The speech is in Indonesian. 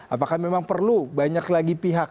apakah memang perlu banyak lagi pihak